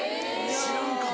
知らんかった。